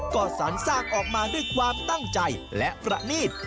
ก็สรรสร้างออกมาด้วยความตั้งใจและประณีต